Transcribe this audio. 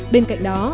bên cạnh đó